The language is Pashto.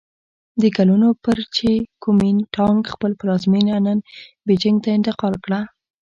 د کلونو پر چې ګومین ټانګ خپل پلازمېنه نن بیجینګ ته انتقال کړ.